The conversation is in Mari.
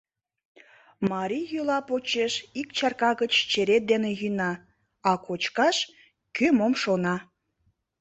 Марий йӱла почеш ик чарка гыч черет дене йӱна, а кочкаш — кӧ мом шона.